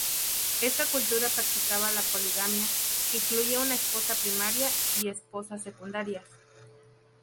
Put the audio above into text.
Esta cultura practicaba la poligamia, que incluía una esposa primaria, y esposas secundarias.